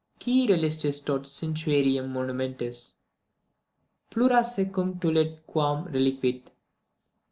Qui relictis tot scientiarum monumentis Plura secum tulit, quam reliquit.